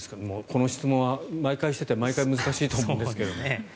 この質問は毎回してて毎回難しいと思うんですけど。